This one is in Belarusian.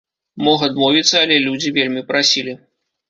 Мог адмовіцца, але людзі вельмі прасілі.